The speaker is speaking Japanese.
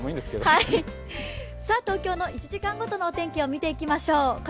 東京の１時間ごとの天気を見ていきましょう。